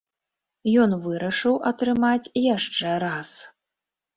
Ён вырашыў атрымаць яшчэ раз.